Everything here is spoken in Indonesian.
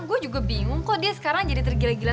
gue juga bingung kok dia sekarang jadi tergila gila